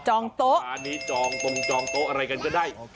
โต๊ะร้านนี้จองตรงจองโต๊ะอะไรกันก็ได้